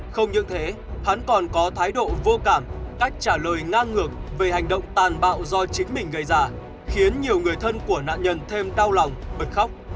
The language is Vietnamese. không những thế hắn còn có thái độ vô cảm cách trả lời ngang ngược về hành động tàn bạo do chính mình gây ra khiến nhiều người thân của nạn nhân thêm đau lòng bật khóc